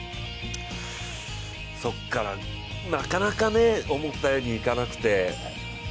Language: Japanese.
そこから、なかなか思ったようにいかなくて。